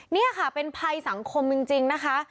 นี่ค่ะเป็นภัยสังคมจริงนะคะ